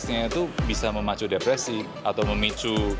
ternyata instagram juga like nya itu bisa memacu depresi atau memicu